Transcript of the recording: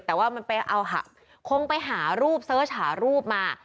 แต่ว่ามันไปเอาคงไปหารูปเสิร์ชหารูปมา